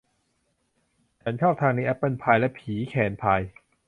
ฉันชอบทางนี้แอบเปิ้ลพายและผีแคนพาย